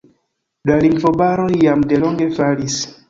La lingvobaroj jam delonge falis.